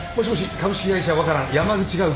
株式会社ワカラン山口が承ります。